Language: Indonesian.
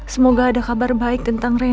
semoga ada kabar baik tentang reinhar